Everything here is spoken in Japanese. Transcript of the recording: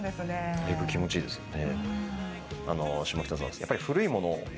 だいぶ気持ちいいですね。